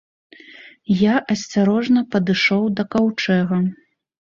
Я асцярожна падышоў да каўчэга.